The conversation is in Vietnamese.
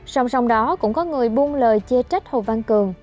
song song đó cũng có người buông lời chê trách hồ văn cường